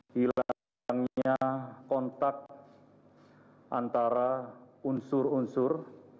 hilangnya kontak antara unsur unsur